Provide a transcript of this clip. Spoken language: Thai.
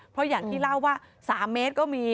เพราะอย่างที่เล่าว่า๓เมตรก็มี